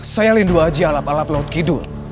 saya lindungi alat alat laut kidul